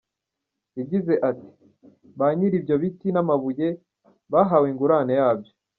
Yagize ati" Ba nyiri ibyo biti n’amabuye bahawe ingurane yabyo.